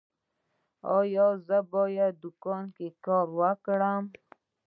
ایا زه باید په دوکان کې کار وکړم؟